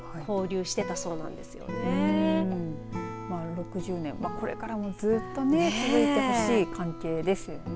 ６０年これからもずっとね続いてほしい関係ですよね。